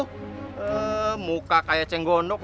ehm muka kayak cenggondok